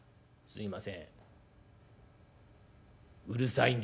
「すいません